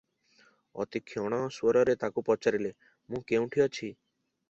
ଅତି କ୍ଷୀଣ ସ୍ୱରରେ ତାକୁ ପଚାରିଲା, "ମୁଁ କେଉଁଠି ଅଛି?